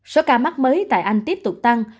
số ca mắc mới tại anh tiếp tục tăng